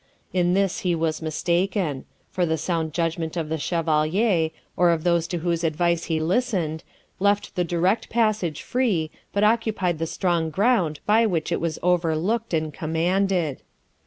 In this he was mistaken; for the sound judgment of the Chevalier, or of those to whose advice he listened, left the direct passage free, but occupied the strong ground by which it was overlooked and commanded.